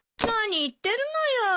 何言ってるのよ。